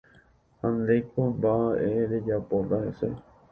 Ha ndéiko mba'e rejapóta hese.